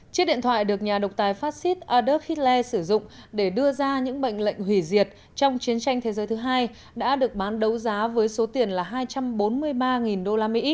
chiếc điện thoại được nhà độc tài phát xít aduckhe sử dụng để đưa ra những bệnh lệnh hủy diệt trong chiến tranh thế giới thứ hai đã được bán đấu giá với số tiền là hai trăm bốn mươi ba usd